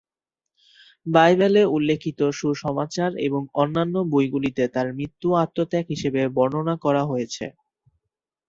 বাইবেলে উল্লেখিত সুসমাচার এবং অন্যান্য বইগুলিতে তাঁর মৃত্যু আত্মত্যাগ হিসেবে বর্ণনা করা হয়েছে।